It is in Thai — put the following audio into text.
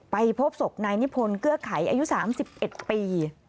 พบศพนายนิพนธ์เกื้อไขอายุ๓๑ปี